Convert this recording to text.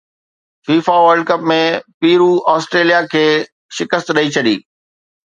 FIFA world cup ۾ Peru Australia کي شڪست ڏئي ڇڏي